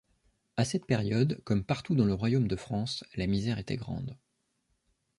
A cette période, comme partout dans le Royaume de France, la misère était grande.